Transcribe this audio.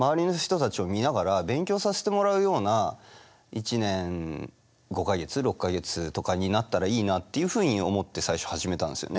１年５か月６か月とかになったらいいなっていうふうに思って最初始めたんですよね。